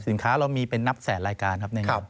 สินค้าเรามีเป็นนับแสนรายการครับในงาน